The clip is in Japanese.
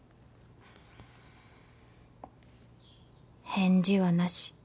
返事はなし